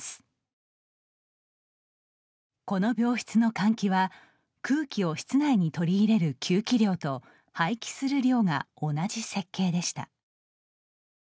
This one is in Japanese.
この病室の換気は空気を室内に取り入れる給気量と排気する量が同じ設計でした。